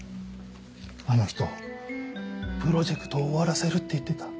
あの人プロジェクトを終わらせるって言ってた。